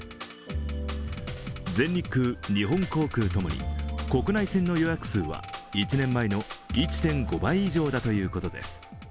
全日空、日本航空共に国内線の予約数は１年前の１．５倍以上だということです。